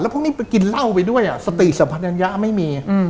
แล้วพวกนี้กินเหล้าไปด้วยอ่ะสติสัมพันธ์ยังยะไม่มี